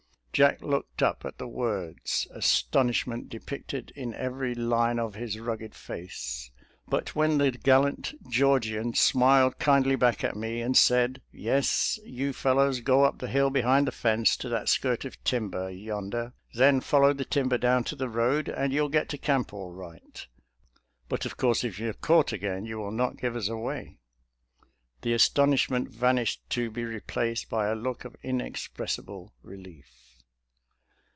Jack looked up at the words, astonishment depicted in every line of his rugged face; but when the gallant Georgian smiled kindly back at me and said, " Yes — ^you fellows go up the hill behind the fence to that skirt of timber yon der, then follow the timber down to the road and you'll get to camp all right ;— ^but of course, if you are caught again, you will not give us away," — the astonishment vanished to be re placed by a look of inexpressible relief.